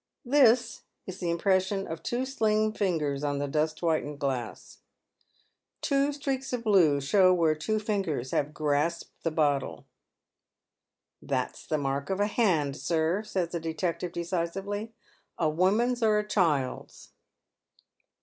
" This " is the impression of two slim fingers on the dust whitened glass. Two streaks of blue show where two fingei s have grasped the bottle. " That's the mai'k of a hand, sir," says the detective decisively, " a woman's or a child's."